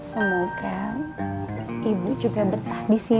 semoga ibu juga betah di sini